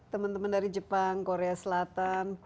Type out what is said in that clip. teman teman dari jepang korea selatan